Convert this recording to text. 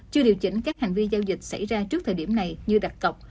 chưa điều chỉnh các hành vi giao dịch xảy ra trước thời điểm này như đặt cọc